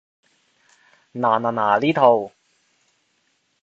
嗱嗱嗱，呢套